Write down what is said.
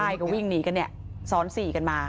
ใช่ก็วิ่งหนีกันเนี่ยซ้อนสี่กันมา